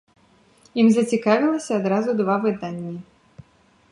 Ім зацікавіліся адразу два выданні.